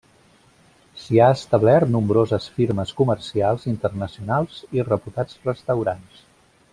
S’hi ha establert nombroses firmes comercials internacionals i reputats restaurants.